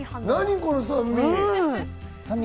この酸味。